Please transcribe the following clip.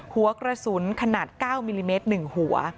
หัวกระสุนขนาด๙มิลลิเมตร๑หัว